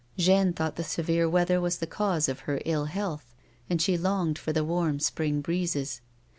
Jeanne thought the severe weather was the cause of her ill health, and she longed for the warm spring breezes.